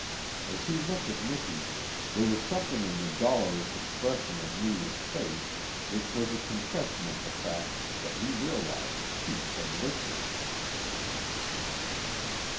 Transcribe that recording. As he looked at Miki there was something in the dolorous expression of Neewa's face which was a confession of the fact that he realized Pete had licked him.